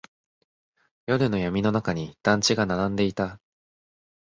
夜の闇の中に団地が並んでいた。